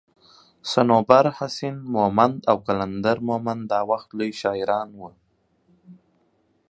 صنوبر حسين مومند او قلندر مومند دا وخت لوي شاعران وو